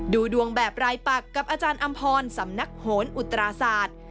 ดูดวงแบบรายปักกับอาจารย์อำพรสำนักโหนอุตราศาสตร์